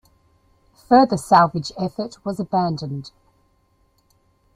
Further salvage effort was abandoned.